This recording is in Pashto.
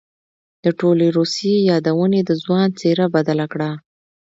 د ټولې روسيې يادونې د ځوان څېره بدله کړه.